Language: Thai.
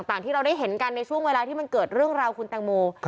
ที่เราได้เห็นกันในช่วงเวลาที่มันเกิดเรื่องราวคุณแตงโม